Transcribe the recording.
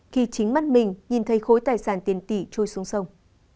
khi chính mắt mình nhìn thấy khối tài sản tiền tỷ trôi xuống sông